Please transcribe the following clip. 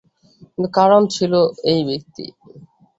কিন্তু কারণ ছিল এই ব্যক্তি।